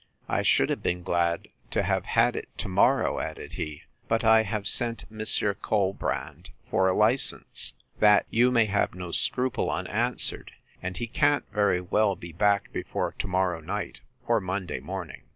—I should have been glad to have had it to morrow, added he; but I have sent Monsieur Colbrand for a license, that, you may have no scruple unanswered; and he can't very well be back before to morrow night, or Monday morning.